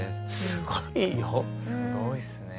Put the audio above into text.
すごいっすね。